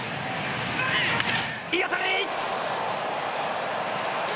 いい当たり。